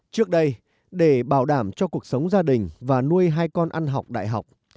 trước đây để bảo đảm cho cuộc sống gia đình và nuôi hai con ăn học đại học